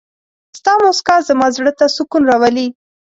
ستا مسکا زما زړه ته سکون راولي.